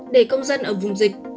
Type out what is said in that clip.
để công dân ở vùng dịch